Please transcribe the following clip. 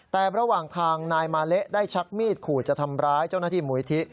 แต่ระหว่างทางนายมาเละได้ชักมีดขู่จะทำร้ายเจ้าหน้าที่มูลิธิ